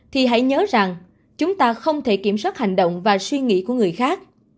thì hãy nhớ rằng chúng ta không thể kiểm soát hành động và suy nghĩ của người khác